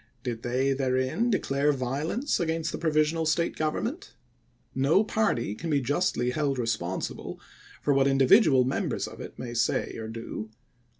Did they therein declare violence against the provisional State government? No party can be justly held responsible for what individual members of it may say or do.